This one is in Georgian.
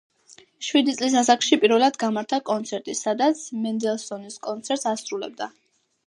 შვიდი წლის ასაკში პირველად გამართა კონცერტი, სადაც მენდელსონის კონცერტს ასრულებდა.